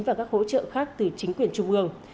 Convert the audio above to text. và các hỗ trợ khác từ chính quyền trung ương